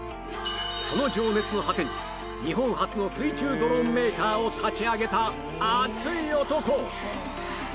その情熱の果てに日本初の水中ドローンメーカーを立ち上げた熱い男！